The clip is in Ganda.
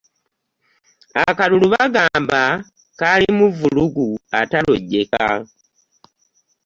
Akalulu bagamba kaalimu vvulugu atalojjeka.